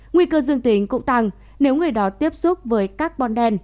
nguy cơ dương tính cũng tăng nếu người đó tiếp xúc với carbon đen